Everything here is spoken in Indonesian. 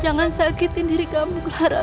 jangan sakitin diri kamu